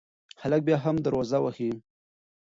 هلک بیا هم دروازه وهي.